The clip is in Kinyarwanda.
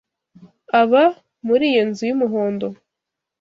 Aba muri iyo nzu y'umuhondo.